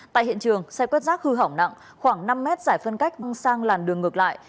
tại hiện trường xe quét rác hư hỏng nặng khoảng năm mét giải phân cách văng sang làn đường ngược lại